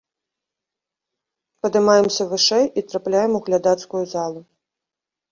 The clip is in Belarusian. Падымаемся вышэй, і трапляем у глядацкую залу.